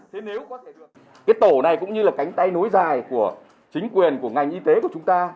điều này cũng như là cánh tay nối dài của chính quyền của ngành y tế của chúng ta